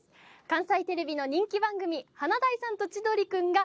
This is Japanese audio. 関西テレビの人気番組「華大さんと千鳥くん」が。